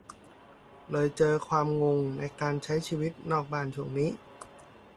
เลยเจอความงงในการใช้ชีวิตนอกบ้านช่วงนี้